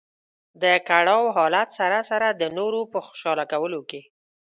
د کړاو حالت سره سره د نورو په خوشاله کولو کې.